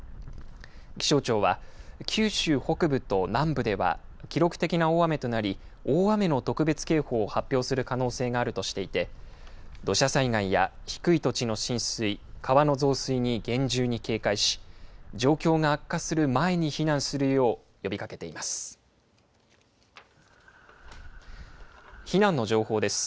気象庁は九州北部と南部では記録的な大雨となり大雨の特別警報を発表する可能性があるとしていて土砂災害や低い土地の浸水川の増水に厳重に警戒し状況が悪化する前に避難するよう呼びかけています。